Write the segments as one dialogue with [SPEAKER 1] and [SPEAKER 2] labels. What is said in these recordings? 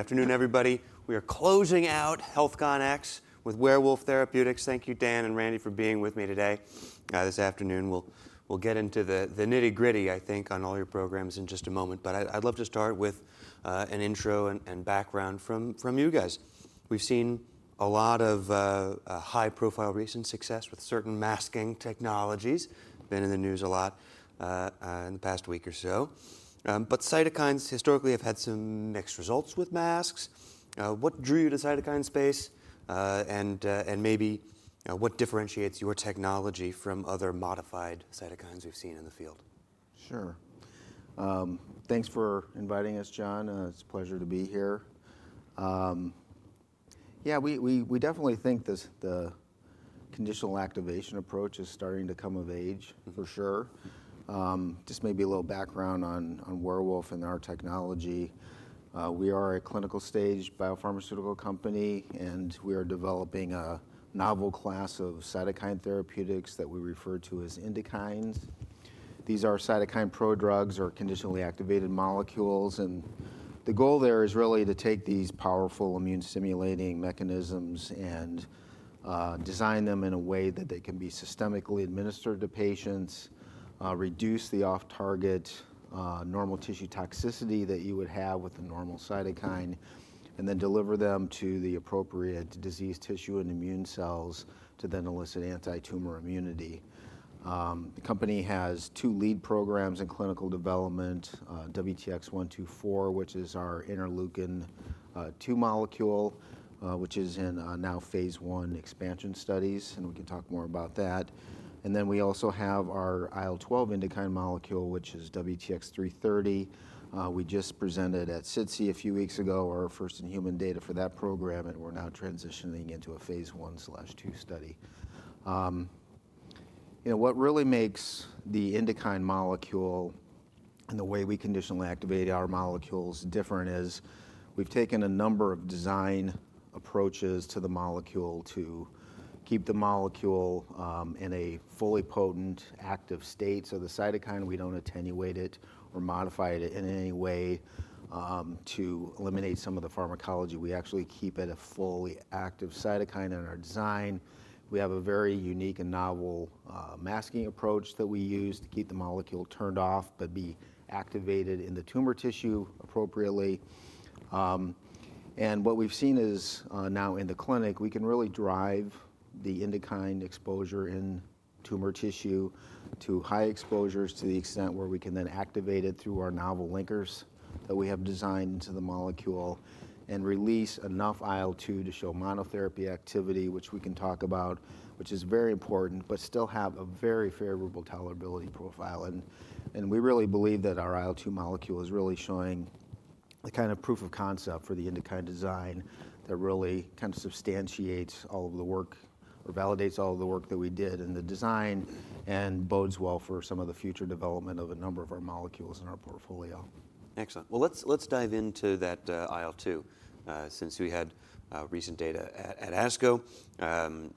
[SPEAKER 1] Afternoon, everybody. We are closing out HealthCONx with Werewolf Therapeutics. Thank you, Dan and Randi, for being with me today this afternoon. We'll get into the nitty-gritty, I think, on all your programs in just a moment. But I'd love to start with an intro and background from you guys. We've seen a lot of high-profile recent success with certain masking technologies. Been in the news a lot in the past week or so. But cytokines historically have had some mixed results with masks. What drew you to cytokine space? And maybe what differentiates your technology from other modified cytokines we've seen in the field?
[SPEAKER 2] Sure. Thanks for inviting us, Jon. It's a pleasure to be here. Yeah, we definitely think the conditional activation approach is starting to come of age, for sure. Just maybe a little background on Werewolf and our technology. We are a clinical stage biopharmaceutical company, and we are developing a novel class of cytokine therapeutics that we refer to as INDUKINE. These are cytokine prodrugs or conditionally activated molecules. And the goal there is really to take these powerful immune-stimulating mechanisms and design them in a way that they can be systemically administered to patients, reduce the off-target normal tissue toxicity that you would have with a normal cytokine, and then deliver them to the appropriate disease tissue and immune cells to then elicit anti-tumor immunity. The company has two lead programs in clinical development: WTX-124, which is our interleukin-2 molecule, which is now in phase I expansion studies. We can talk more about that. We also have our IL-12 INDUKINE molecule, which is WTX-330. We just presented at SITC a few weeks ago, our first in human data for that program, and we're now transitioning into a phase I/II study. What really makes the INDUKINE molecule and the way we conditionally activate our molecules different is we've taken a number of design approaches to the molecule to keep the molecule in a fully potent active state. The cytokine, we don't attenuate it or modify it in any way to eliminate some of the pharmacology. We actually keep it a fully active cytokine in our design. We have a very unique and novel masking approach that we use to keep the molecule turned off but be activated in the tumor tissue appropriately. And what we've seen is now in the clinic, we can really drive the INDUKINE exposure in tumor tissue to high exposures to the extent where we can then activate it through our novel linkers that we have designed into the molecule and release enough IL-2 to show monotherapy activity, which we can talk about, which is very important, but still have a very favorable tolerability profile. And we really believe that our IL-2 molecule is really showing the kind of proof of concept for the INDUKINE design that really kind of substantiates all of the work or validates all of the work that we did in the design and bodes well for some of the future development of a number of our molecules in our portfolio.
[SPEAKER 1] Excellent. Well, let's dive into that IL-2 since we had recent data at ASCO.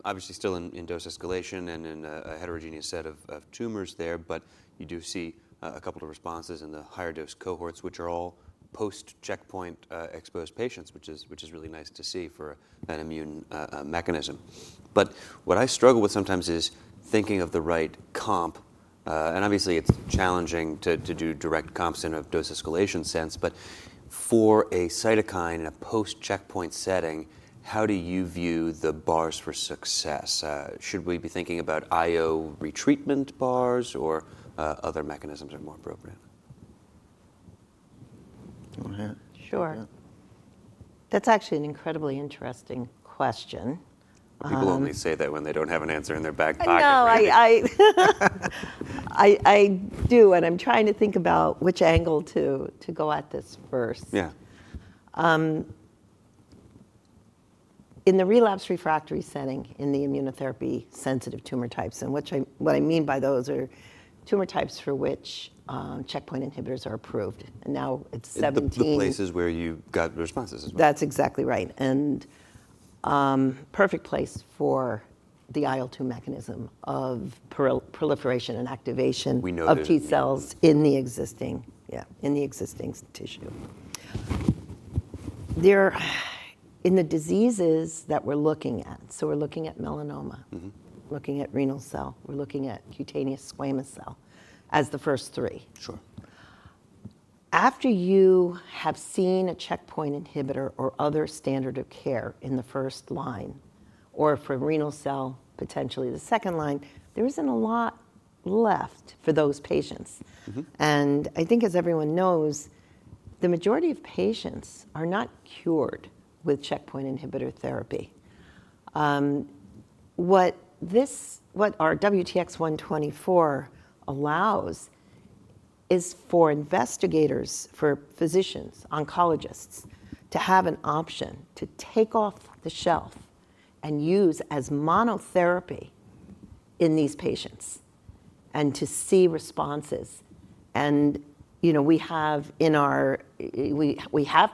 [SPEAKER 1] Obviously, still in dose escalation and in a heterogeneous set of tumors there, but you do see a couple of responses in the higher dose cohorts, which are all post-checkpoint exposed patients, which is really nice to see for that immune mechanism. But what I struggle with sometimes is thinking of the right comp. And obviously, it's challenging to do direct comps in a dose escalation sense. But for a cytokine in a post-checkpoint setting, how do you view the bars for success? Should we be thinking about IO retreatment bars or other mechanisms are more appropriate?
[SPEAKER 3] Sure. That's actually an incredibly interesting question.
[SPEAKER 1] People only say that when they don't have an answer in their back pocket.
[SPEAKER 3] I know. I do, and I'm trying to think about which angle to go at this first.
[SPEAKER 1] Yeah.
[SPEAKER 3] In the relapse refractory setting in the immunotherapy sensitive tumor types, and what I mean by those are tumor types for which checkpoint inhibitors are approved, and now it's 17.
[SPEAKER 1] The places where you've got responses as well.
[SPEAKER 3] That's exactly right, and perfect place for the IL-2 mechanism of proliferation and activation.
[SPEAKER 1] We know this.
[SPEAKER 3] Of T cells in the existing tissue. There, in the diseases that we're looking at, so we're looking at melanoma, we're looking at renal cell, we're looking at cutaneous squamous cell as the first three.
[SPEAKER 1] Sure.
[SPEAKER 3] After you have seen a checkpoint inhibitor or other standard of care in the first line or for renal cell, potentially the second line, there isn't a lot left for those patients, and I think as everyone knows, the majority of patients are not cured with checkpoint inhibitor therapy. What our WTX-124 allows is for investigators, for physicians, oncologists to have an option to take off the shelf and use as monotherapy in these patients and to see responses, and we have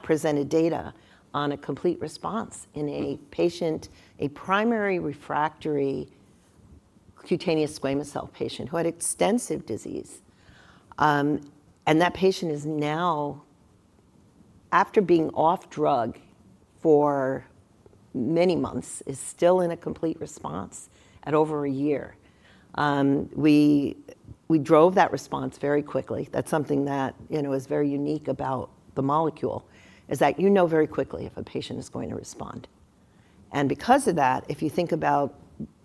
[SPEAKER 3] presented data on a complete response in a patient, a primary refractory cutaneous squamous cell patient who had extensive disease, and that patient is now, after being off drug for many months, is still in a complete response at over a year. We drove that response very quickly. That's something that is very unique about the molecule, is that you know very quickly if a patient is going to respond. And because of that, if you think about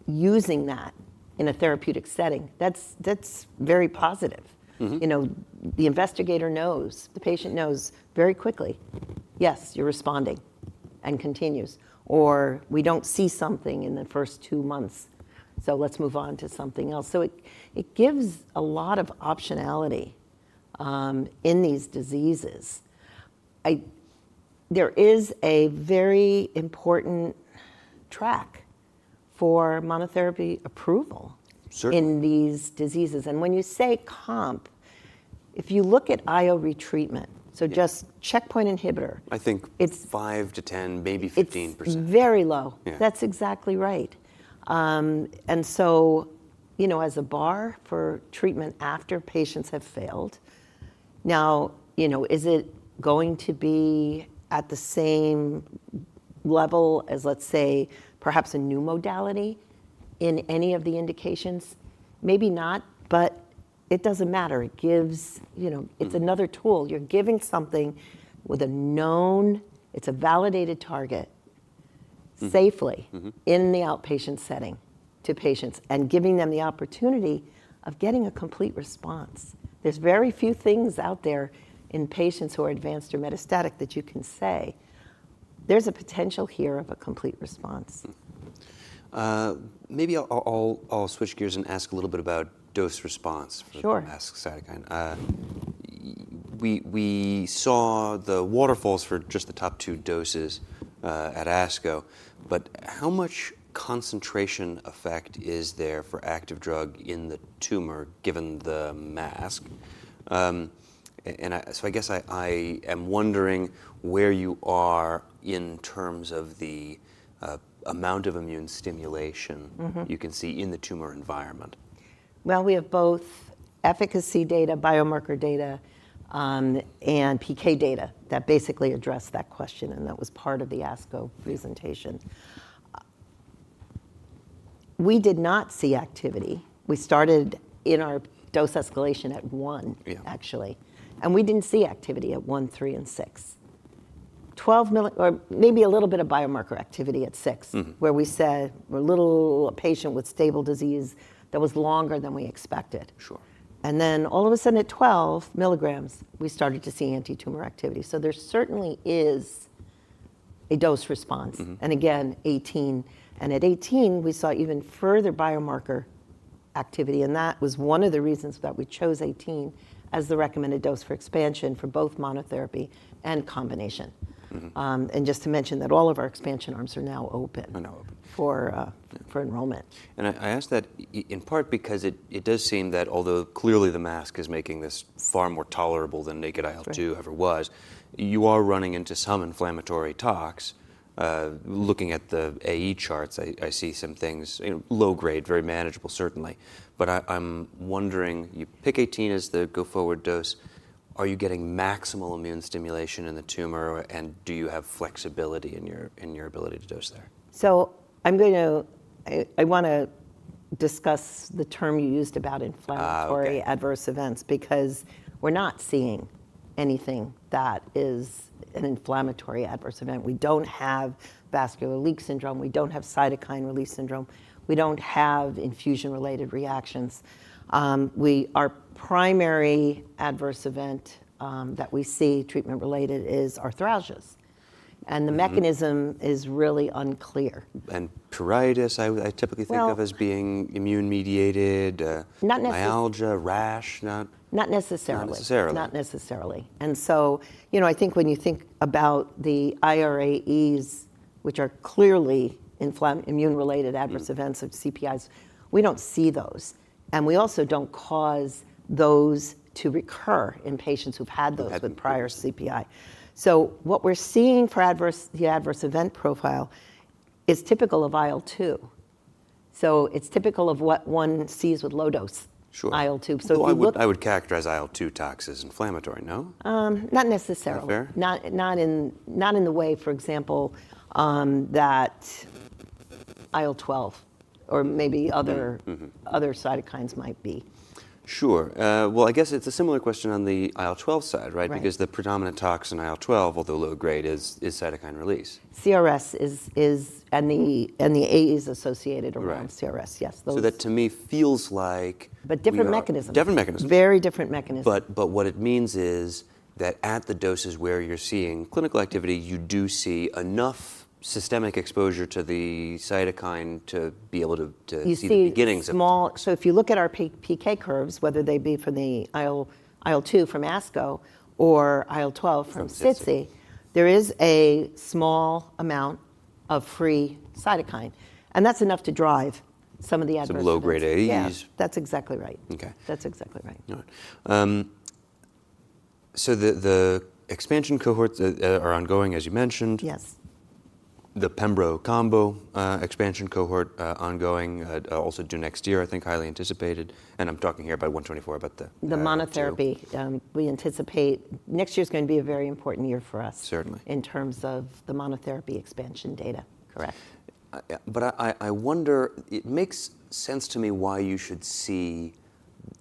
[SPEAKER 3] using that in a therapeutic setting, that's very positive. The investigator knows, the patient knows very quickly, yes, you're responding and continues. Or we don't see something in the first two months, so let's move on to something else. So it gives a lot of optionality in these diseases. There is a very important track for monotherapy approval in these diseases. And when you say comp, if you look at IO retreatment, so just checkpoint inhibitor.
[SPEAKER 1] I think 5%-10%, maybe 15%.
[SPEAKER 3] It's very low. That's exactly right, and so as a bar for treatment after patients have failed, now is it going to be at the same level as, let's say, perhaps a new modality in any of the indications? Maybe not, but it doesn't matter. It's another tool. You're giving something with a known, it's a validated target safely in the outpatient setting to patients and giving them the opportunity of getting a complete response. There's very few things out there in patients who are advanced or metastatic that you can say there's a potential here of a complete response.
[SPEAKER 1] Maybe I'll switch gears and ask a little bit about dose response for masked cytokine. We saw the waterfalls for just the top two doses at ASCO, but how much concentration effect is there for active drug in the tumor given the mask? So I guess I am wondering where you are in terms of the amount of immune stimulation you can see in the tumor environment?
[SPEAKER 3] We have both efficacy data, biomarker data, and PK data that basically address that question. And that was part of the ASCO presentation. We did not see activity. We started in our dose escalation at one, actually. And we didn't see activity at one, three, and six, 12 milligrams, or maybe a little bit of biomarker activity at six, where we said a little patient with stable disease that was longer than we expected.
[SPEAKER 1] Sure.
[SPEAKER 3] And then all of a sudden at 12 milligrams, we started to see anti-tumor activity. So there certainly is a dose response. And again, 18. And at 18, we saw even further biomarker activity. And that was one of the reasons that we chose 18 as the recommended dose for expansion for both monotherapy and combination. And just to mention that all of our expansion arms are now open for enrollment.
[SPEAKER 1] I ask that in part because it does seem that although clearly the mask is making this far more tolerable than naked IL-2 ever was, you are running into some inflammatory tox. Looking at the AE charts, I see some things low-grade, very manageable, certainly. But I'm wondering, you pick 18 as the go-forward dose. Are you getting maximal immune stimulation in the tumor? And do you have flexibility in your ability to dose there?
[SPEAKER 3] So I want to discuss the term you used about inflammatory adverse events because we're not seeing anything that is an inflammatory adverse event. We don't have vascular leak syndrome. We don't have cytokine release syndrome. We don't have infusion-related reactions. Our primary adverse event that we see treatment-related is arthralgias. And the mechanism is really unclear.
[SPEAKER 1] Pruritus, I typically think of as being immune-mediated.
[SPEAKER 3] Not necessarily.
[SPEAKER 1] Myalgia, rash, not.
[SPEAKER 3] Not necessarily.
[SPEAKER 1] Not necessarily.
[SPEAKER 3] Not necessarily, and so I think when you think about the IRAEs, which are clearly immune-related adverse events of CPIs, we don't see those, and we also don't cause those to recur in patients who've had those with prior CPI, so what we're seeing for the adverse event profile is typical of IL-2, so it's typical of what one sees with low-dose IL-2.
[SPEAKER 1] I would characterize IL-2 tox as inflammatory, no?
[SPEAKER 3] Not necessarily.
[SPEAKER 1] Not fair?
[SPEAKER 3] Not in the way, for example, that IL-12 or maybe other cytokines might be.
[SPEAKER 1] Sure. Well, I guess it's a similar question on the IL-12 side, right? Because the predominant tox in IL-12, although low grade, is cytokine release.
[SPEAKER 3] CRS is, and the AE is associated around CRS. Yes.
[SPEAKER 1] So that to me feels like.
[SPEAKER 3] But different mechanism.
[SPEAKER 1] Different mechanism.
[SPEAKER 3] Very different mechanism.
[SPEAKER 1] But what it means is that at the doses where you're seeing clinical activity, you do see enough systemic exposure to the cytokine to be able to see the beginnings of.
[SPEAKER 3] You see, small, so if you look at our PK curves, whether they be from the IL-2 from ASCO or IL-12 from SITC, there is a small amount of free cytokine. And that's enough to drive some of the adverse effects.
[SPEAKER 1] Some low-grade AEs.
[SPEAKER 3] Yeah, that's exactly right.
[SPEAKER 1] Okay.
[SPEAKER 3] That's exactly right.
[SPEAKER 1] All right, so the expansion cohorts are ongoing, as you mentioned.
[SPEAKER 3] Yes.
[SPEAKER 1] The Pembro combo expansion cohort ongoing, also due next year, I think, highly anticipated. And I'm talking here about 124, about the.
[SPEAKER 3] The monotherapy. We anticipate next year is going to be a very important year for us.
[SPEAKER 1] Certainly.
[SPEAKER 3] In terms of the monotherapy expansion data. Correct.
[SPEAKER 1] But I wonder. It makes sense to me why you should see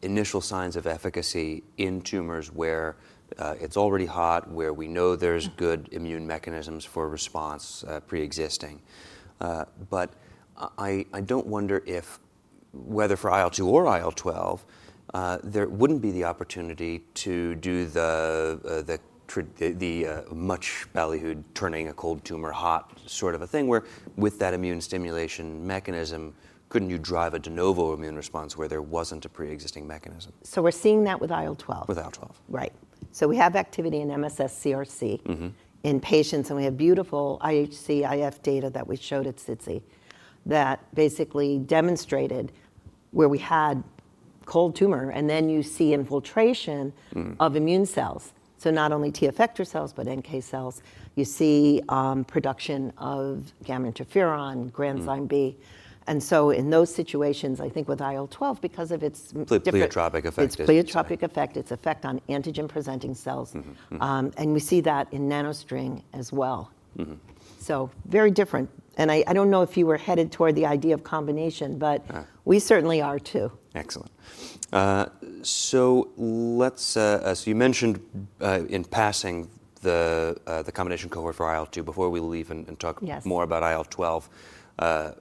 [SPEAKER 1] initial signs of efficacy in tumors where it's already hot, where we know there's good immune mechanisms for response pre-existing. But I do wonder whether for IL-2 or IL-12, there wouldn't be the opportunity to do the much ballyhooed turning a cold tumor hot sort of a thing where with that immune stimulation mechanism, couldn't you drive a de novo immune response where there wasn't a pre-existing mechanism?
[SPEAKER 3] So we're seeing that with IL-12.
[SPEAKER 1] With IL-12.
[SPEAKER 3] Right. So we have activity in MSS-CRC in patients. And we have beautiful IHC, IF data that we showed at SITC that basically demonstrated where we had cold tumor, and then you see infiltration of immune cells. So not only T effector cells, but NK cells. You see production of gamma interferon, granzyme B. And so in those situations, I think with IL-12, because of its.
[SPEAKER 1] It's the pleiotropic effect.
[SPEAKER 3] It's the pleiotropic effect, its effect on antigen-presenting cells. And we see that in NanoString as well. So very different. And I don't know if you were headed toward the idea of combination, but we certainly are too.
[SPEAKER 1] Excellent. So you mentioned in passing the combination cohort for IL-2 before we leave and talk more about IL-12.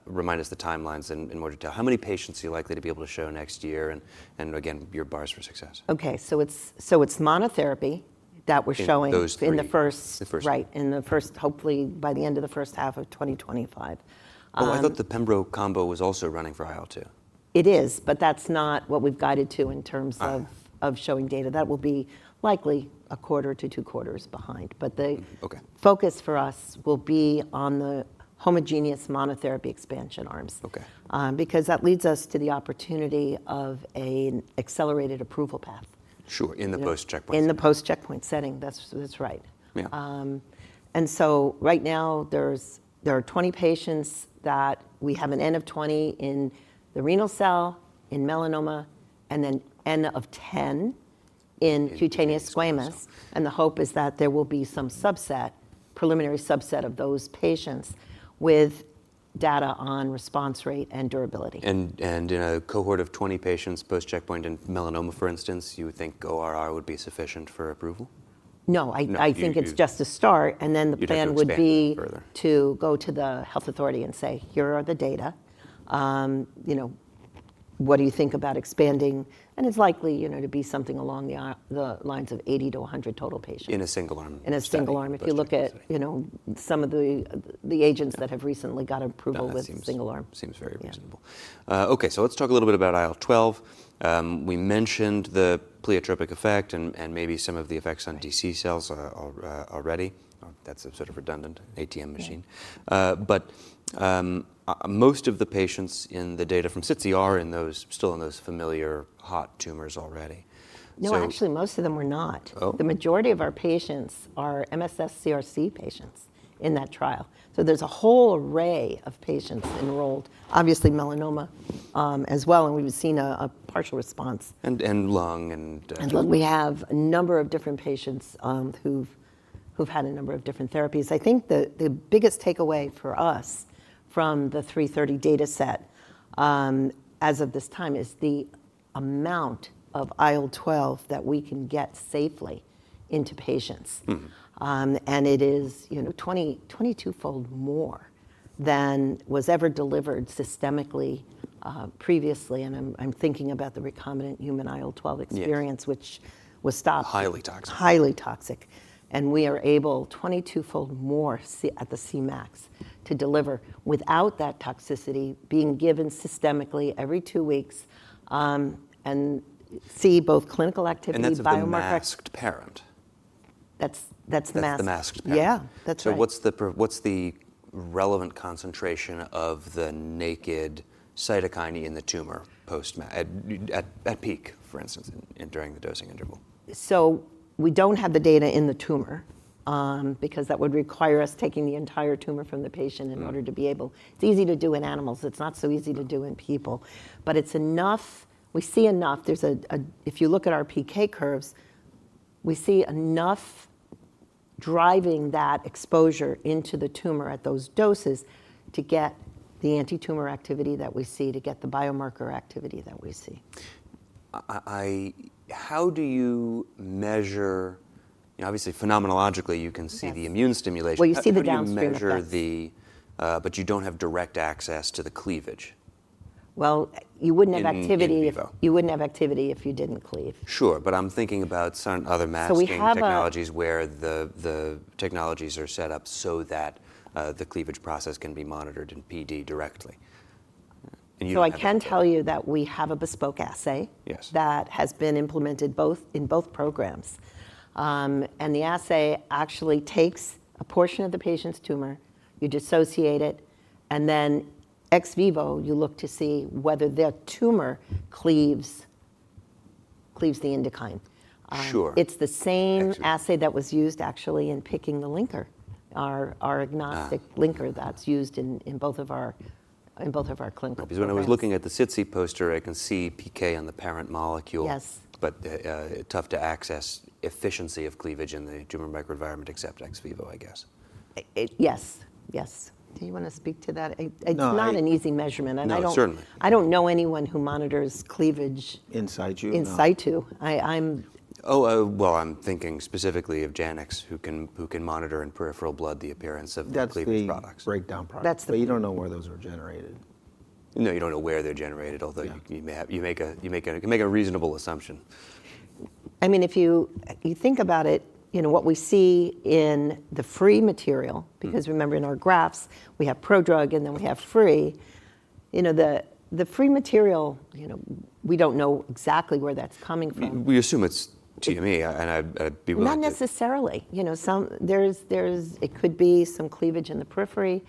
[SPEAKER 1] Remind us the timelines in more detail. How many patients are you likely to be able to show next year? And again, your bars for success?
[SPEAKER 3] Okay. So it's monotherapy that we're showing in the first.
[SPEAKER 1] The first.
[SPEAKER 3] Right. In the first, hopefully by the end of the first half of 2025.
[SPEAKER 1] Oh, I thought the Pembro combo was also running for IL-2.
[SPEAKER 3] It is, but that's not what we've guided to in terms of showing data. That will be likely a quarter to two quarters behind. But the focus for us will be on the homogeneous monotherapy expansion arms because that leads us to the opportunity of an accelerated approval path.
[SPEAKER 1] Sure, in the post-checkpoint.
[SPEAKER 3] In the post-checkpoint setting. That's right.
[SPEAKER 1] Yeah.
[SPEAKER 3] And so right now, there are 20 patients that we have an N of 20 in the renal cell, in melanoma, and then N of 10 in cutaneous squamous. And the hope is that there will be some subset, preliminary subset of those patients with data on response rate and durability.
[SPEAKER 1] In a cohort of 20 patients, post-checkpoint in melanoma, for instance, you would think ORR would be sufficient for approval?
[SPEAKER 3] No, I think it's just a start. And then the plan would be to go to the health authority and say, "Here are the data. What do you think about expanding?" And it's likely to be something along the lines of 80-100 total patients.
[SPEAKER 1] In a single arm.
[SPEAKER 3] In a single arm. If you look at some of the agents that have recently got approval with a single arm.
[SPEAKER 1] Seems very reasonable. Okay, so let's talk a little bit about IL-12. We mentioned the pleiotropic effect and maybe some of the effects on DC cells already. That's a sort of redundant ATM machine. But most of the patients in the data from SITC are still in those familiar hot tumors already.
[SPEAKER 3] No, actually, most of them are not. The majority of our patients are MSS-CRC patients in that trial. So there's a whole array of patients enrolled, obviously melanoma as well. And we've seen a partial response.
[SPEAKER 1] And lung and.
[SPEAKER 3] And we have a number of different patients who've had a number of different therapies. I think the biggest takeaway for us from the 330 data set as of this time is the amount of IL-12 that we can get safely into patients. And it is 22-fold more than was ever delivered systemically previously. And I'm thinking about the recombinant human IL-12 experience, which was stopped.
[SPEAKER 1] Highly toxic.
[SPEAKER 3] Highly toxic, and we are able, 22-fold more at the Cmax, to deliver without that toxicity being given systemically every two weeks and see both clinical activity and biomarker effects.
[SPEAKER 1] That's the masked parent.
[SPEAKER 3] That's the mask.
[SPEAKER 1] That's the masked parent.
[SPEAKER 3] Yeah, that's right.
[SPEAKER 1] So what's the relevant concentration of the naked cytokine in the tumor post-mask at peak, for instance, during the dosing interval?
[SPEAKER 3] So we don't have the data in the tumor because that would require us taking the entire tumor from the patient in order to be able, it's easy to do in animals. It's not so easy to do in people. But we see enough. If you look at our PK curves, we see enough driving that exposure into the tumor at those doses to get the anti-tumor activity that we see, to get the biomarker activity that we see.
[SPEAKER 1] How do you measure? Obviously, phenomenologically, you can see the immune stimulation.
[SPEAKER 3] You see the downstream measure.
[SPEAKER 1] But you don't have direct access to the cleavage.
[SPEAKER 3] You wouldn't have activity if you didn't cleave.
[SPEAKER 1] Sure. But I'm thinking about some other masking technologies where the technologies are set up so that the cleavage process can be monitored in PD directly.
[SPEAKER 3] I can tell you that we have a bespoke assay that has been implemented in both programs. The assay actually takes a portion of the patient's tumor, you dissociate it, and then ex vivo, you look to see whether the tumor cleaves the INDUKINE.
[SPEAKER 1] Sure.
[SPEAKER 3] It's the same assay that was used actually in picking the linker, our agnostic linker that's used in both of our clinical.
[SPEAKER 1] Because when I was looking at the SITC poster, I can see PK on the parent molecule.
[SPEAKER 3] Yes.
[SPEAKER 1] But tough to assess efficiency of cleavage in the tumor microenvironment except ex vivo, I guess.
[SPEAKER 3] Yes. Yes. Do you want to speak to that? It's not an easy measurement.
[SPEAKER 1] No, certainly.
[SPEAKER 3] I don't know anyone who monitors cleavage.
[SPEAKER 1] In situ?
[SPEAKER 3] In situ. I'm.
[SPEAKER 1] Oh, well, I'm thinking specifically of Janux, who can monitor in peripheral blood the appearance of the cleavage products.
[SPEAKER 2] That's the breakdown product. But you don't know where those are generated.
[SPEAKER 1] No, you don't know where they're generated, although you make a reasonable assumption.
[SPEAKER 3] I mean, if you think about it, what we see in the free material, because remember in our graphs, we have prodrug and then we have free, the free material, we don't know exactly where that's coming from.
[SPEAKER 1] We assume it's TME, and I'd be willing to.
[SPEAKER 3] Not necessarily. It could be some cleavage in the periphery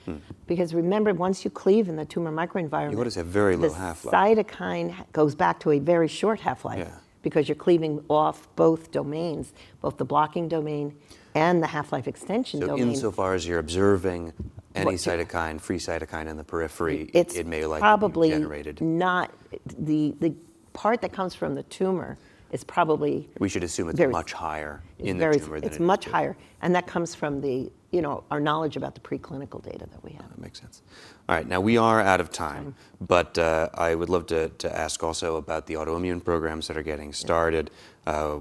[SPEAKER 3] because remember, once you cleave in the Tumor microenvironment.
[SPEAKER 1] You want to say very low half-life.
[SPEAKER 3] The cytokine goes back to a very short half-life because you're cleaving off both domains, both the blocking domain and the half-life extension domain.
[SPEAKER 1] Insofar as you're observing any cytokine, free cytokine in the periphery, it may likely be generated.
[SPEAKER 3] Probably not. The part that comes from the tumor is probably.
[SPEAKER 1] We should assume it's much higher in the tumor than it is.
[SPEAKER 3] It's much higher. And that comes from our knowledge about the preclinical data that we have.
[SPEAKER 1] That makes sense. All right. Now, we are out of time. But I would love to ask also about the autoimmune programs that are getting started.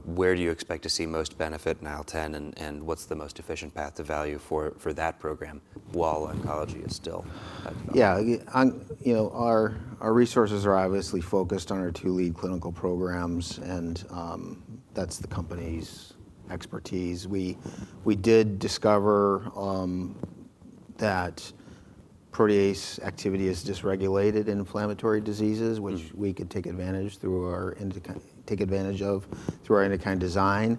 [SPEAKER 1] Where do you expect to see most benefit in IL-10, and what's the most efficient path of value for that program while oncology is still at the bottom?
[SPEAKER 2] Yeah. Our resources are obviously focused on our two lead clinical programs, and that's the company's expertise. We did discover that protease activity is dysregulated in inflammatory diseases, which we could take advantage of through our INDUKINE design.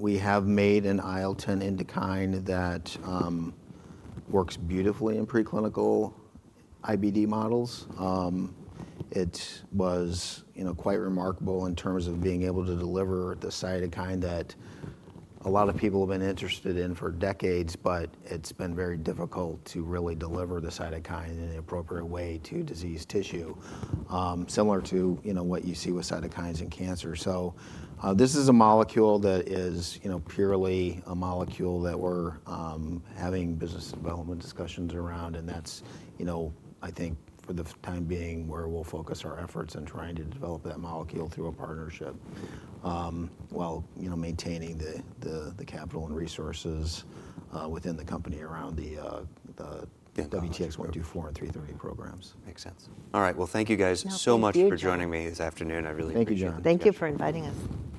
[SPEAKER 2] We have made an IL-10 INDUKINE that works beautifully in preclinical IBD models. It was quite remarkable in terms of being able to deliver the cytokine that a lot of people have been interested in for decades, but it's been very difficult to really deliver the cytokine in the appropriate way to diseased tissue, similar to what you see with cytokines in cancer. So this is a molecule that is purely a molecule that we're having business development discussions around. That's, I think, for the time being where we'll focus our efforts in trying to develop that molecule through a partnership while maintaining the capital and resources within the company around the WTX-124 and WTX-330 programs.
[SPEAKER 1] Makes sense. All right. Well, thank you guys so much for joining me this afternoon. I really appreciate it.
[SPEAKER 3] Thank you, Jon. Thank you for inviting us.